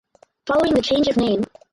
Following the change of name.